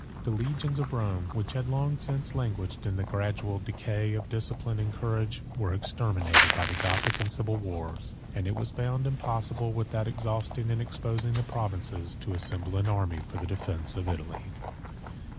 The legions of Rome, which had long since languished in the gradual decay of discipline and courage, were exterminated by the Gothic and civil wars; and it was found impossible, without exhausting and exposing the provinces, to assemble an army for the defence of Italy.